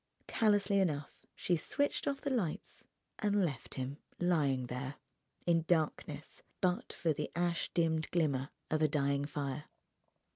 Callously enough she switched off the lights and left him lying there, in darkness but for the ash dimmed glimmer of a dying fire.